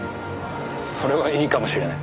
それはいいかもしれない。